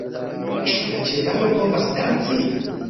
Ĉu la ĉevalo povas danci!?